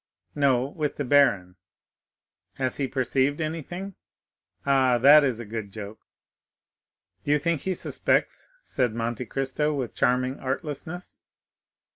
"No, with the baron." "Has he perceived anything?" "Ah, that is a good joke!" "Do you think he suspects?" said Monte Cristo with charming artlessness.